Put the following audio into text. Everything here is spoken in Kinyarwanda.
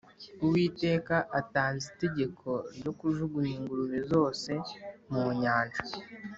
Uwiteka atanze itegeko ryo kujugunya ingurube zose mu nyanja